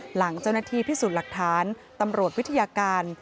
หลังเจ้าหน้าที่พิสูจน์หลักฐานตำรวจวิทยาการ